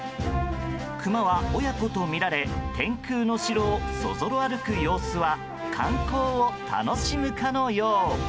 クマは親子とみられ天空の城をそぞろ歩く様子は観光を楽しむかのよう。